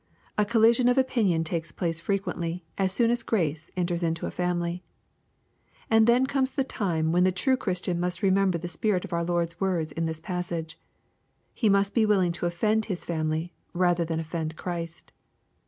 A collision of opinion takes place frequently, as soon as grace enters into a family. And then comes the time when the true Christian must remember the spirit of our Lord 8 words in this passage. He must be willing to offend his family, rather than offend Christ.